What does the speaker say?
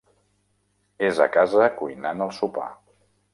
És a casa cuinant el sopar.